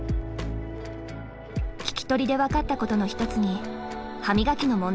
聞き取りで分かったことの一つに歯磨きの問題があります。